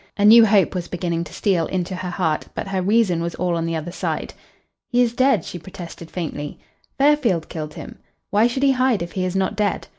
A new hope was beginning to steal into her heart, but her reason was all on the other side. "He is dead," she protested faintly. "Fairfield killed him. Why should he hide if he is not dead?